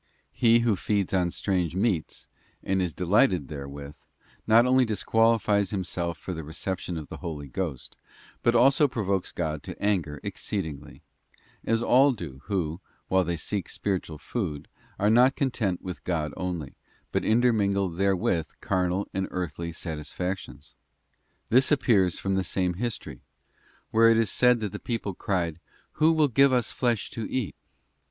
He who feeds on strange meats, and is delighted therewith, not only disqualifies himself for the reception of the Holy Ghost, but also provokes God to anger exceedingly, as all do who, while they seek spiritual food, are not content with God only, but intermingle therewith carnal and earthly satisfactions. This appears from the same history, where it is said that the people cried, 'Who will give us flesh to eat?